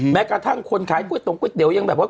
แม้กระทั่งคนขายก๋วยตรงก๋วเตี๋ยยังแบบว่า